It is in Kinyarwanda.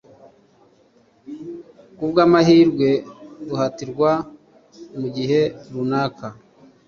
Kubwamahirwe duhatirwa mugihe runaka